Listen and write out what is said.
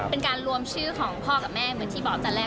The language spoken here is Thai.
เป็นการรวมชื่อของพ่อกับแม่เหมือนที่บอกตอนแรก